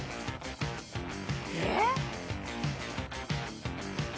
えっ？